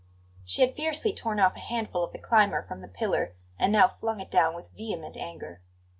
She had fiercely torn off a handful of the climber from the pillar, and now flung it down with vehement anger.